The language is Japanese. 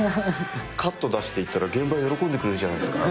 「カット出していったら現場喜んでくれるじゃないっすか」